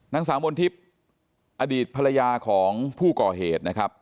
นางสาวมนทิพย์อดีตภรรยาของผู้ก่อเหตุนะครับ